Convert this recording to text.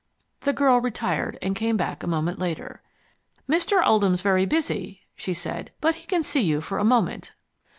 The girl retired, and came back a moment later. "Mr. Oldham's very busy," she said, "but he can see you for a moment."